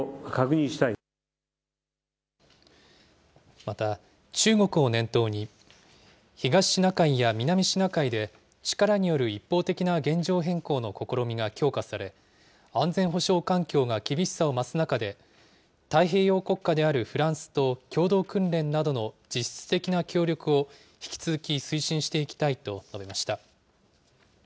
また、中国を念頭に、東シナ海や南シナ海で、力による一方的な現状変更の試みが強化され、安全保障環境が厳しさを増す中で、太平洋国家であるフランスと共同訓練などの実質的な協力を引き続き推進していきたいと述べました。